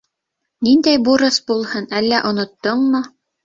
— Ниндәй бурыс булһын, әллә оноттоңмо?